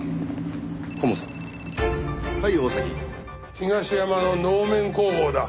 東山の能面工房だ。